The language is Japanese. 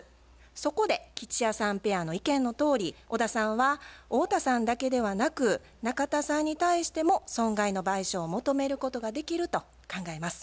そこで吉弥さんペアの意見のとおり小田さんは太田さんだけではなく中田さんに対しても損害の賠償を求めることができると考えます。